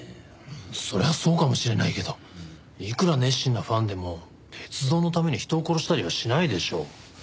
そりゃそうかもしれないけどいくら熱心なファンでも鉄道のために人を殺したりはしないでしょう。